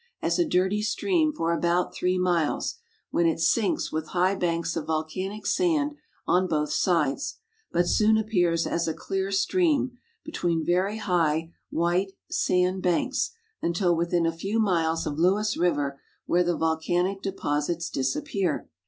as a dirty stream for about three miles, when it sinks with liigii banks of volcanic sand on l)oth sides, ))ut soon appears as a clear stream, between very high, white, sand banks, until witldn a few miles of Lewis river, where the volcanic deposits disappear.